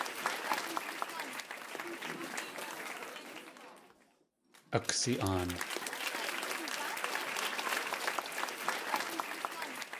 Yaksi.aan.